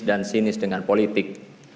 dan sinis dengan politik